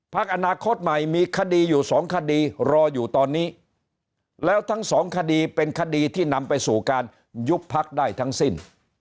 พักอนาคตใหม่มีคดีอยู่สองคดีรออยู่ตอนนี้แล้วทั้งสองคดีเป็นคดีที่นำไปสู่การยุบพักได้ทั้งสิ้น